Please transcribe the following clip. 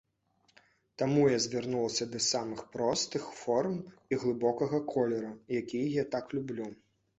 Таму я звярнулася да самых простых форм і глыбокага колеру, якія я так люблю.